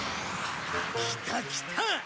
来た来た！